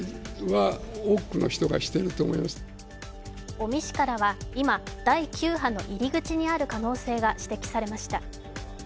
尾身氏からは今、第９波の入り口にある可能性が指摘されました。